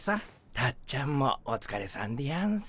たっちゃんもおつかれさんでやんす。